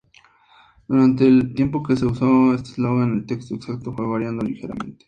Durante el tiempo que se usó este eslogan, el texto exacto fue variando ligeramente.